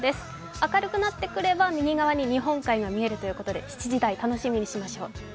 明るくなってくれば、右側に日本海が見えるということで７時台、楽しみにしましょう。